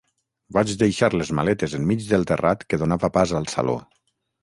Vaig deixar les maletes enmig del terrat que donava pas al saló.